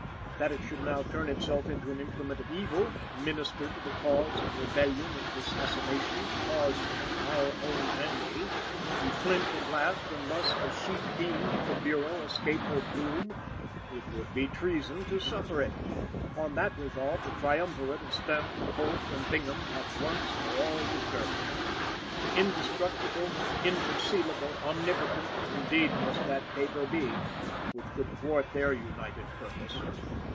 That it should now turn itself into an implement of evil, minister to the cause of rebellion and assassination, cause "Our Own Andy" to flinch at last and thus the she fiend of the Bureau escape her doom! It would be treason to suffer it. Upon that resolve, the Triumvirate of Stanton, Holt and Bingham had once for all determined. Indestructible, inconcealable, omnipotent, indeed, must that paper be, which could thwart their united purpose.